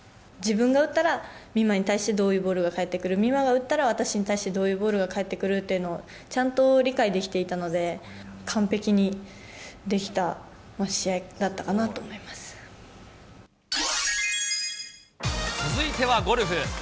自分が打ったら、美誠に対してどういうボールが返ってくる、美誠が打ったら、私に対してどういうボールが返ってくるというのをちゃんと理解できていたので、完璧にできた試合だったかなと思続いてはゴルフ。